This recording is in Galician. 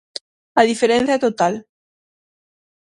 A diferenza é total.